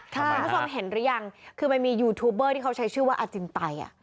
คุณผู้ชมเห็นหรือยังคือมันมียูทูบเบอร์ที่เขาใช้ชื่อว่าอาจินไต